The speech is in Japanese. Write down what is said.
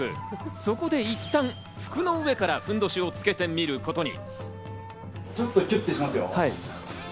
そこでいったん服の上からふんどしをつけてみることに。